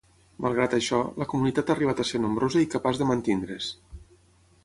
Malgrat això, la comunitat ha arribat a ser nombrosa i capaç de mantenir-se.